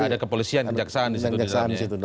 ada kepolisian kejaksaan disitu